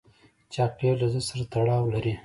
چاکلېټ له زړه سره تړاو لري.